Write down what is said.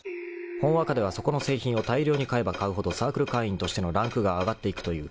［ほんわかではそこの製品を大量に買えば買うほどサークル会員としてのランクが上がっていくという］